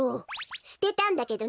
すてたんだけどね！